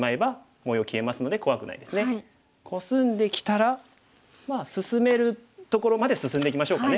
コスんできたらまあ進めるところまで進んでいきましょうかね。